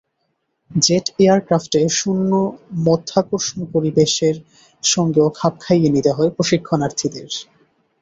Jet এয়ারক্রাফটে শূন্য মাধ্যাকর্ষণ পরিবেশের সঙ্গেও খাপ খাইয়ে নিতে হয় প্রশিক্ষণার্থীদের।